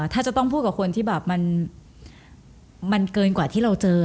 ถ้าจะต้องพูดกับคนที่แบบมันเกินกว่าที่เราเจอ